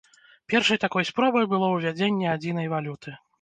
Першай такой спробай было ўвядзенне адзінай валюты.